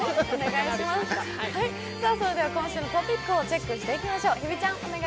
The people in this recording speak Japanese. それでは今週のトピックをチェックしていきましょう。